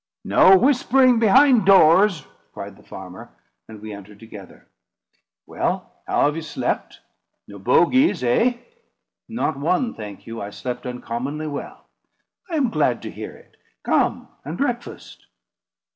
"No whispering behind doors!" cried the farmer; and we entered together. "Well, how have you slept? No bogies, eh?" "Not one, thank you; I slept uncommonly well." "I am glad to hear it. Come and breakfast."